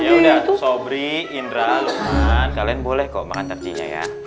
ya udah tuh sobri indra lukman kalian boleh kok makan takjinya ya